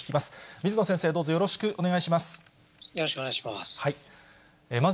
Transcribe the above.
水野先生、どうぞよろしくお願いします。